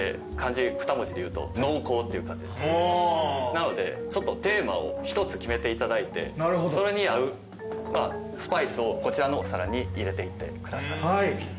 なのでテーマを１つ決めていただいてそれに合うスパイスをこちらのお皿に入れていってください。